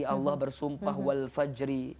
allah bersumpah wal fajri